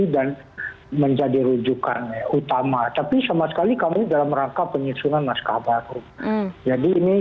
dan menjadi rujukan utama tapi sama sekali kamu dalam rangka penyusunan naskah baru jadi ini